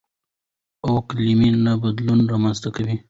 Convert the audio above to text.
او اقلـيمي نه بـدلونـونه رامـنځتـه کوي.